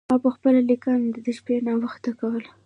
ما خپله لیکنه د شپې ناوخته کوله.